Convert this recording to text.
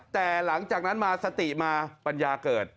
แต่หลังจากนั้นมาสติมาปัญญาเกิด